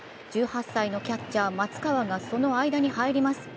１８歳のキャッチャーがその間に入ります。